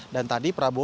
dan tadi prabowo